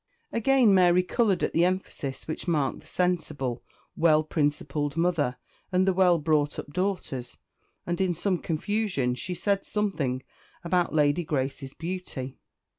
Again Mary coloured at the emphasis which marked the sensible, well principled mother, and the well brought up daughters; and in some confusion she said something about Lady Grace's beauty.